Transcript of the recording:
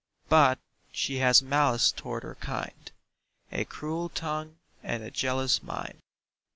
But she has malice toward her kind, A cruel tongue and a jealous mind.